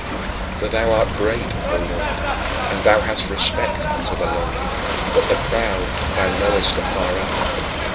For thou art great, O Lord, and thou hast respect unto the lowly, but the proud thou knowest afar off.